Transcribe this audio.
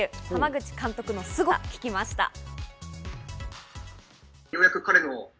濱口監督のすごさを聞きました。